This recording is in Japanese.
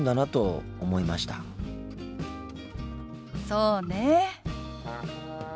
そうねえ。